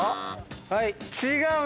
はい。